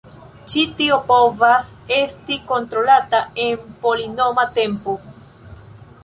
Ĉi tio povas esti kontrolata en polinoma tempo.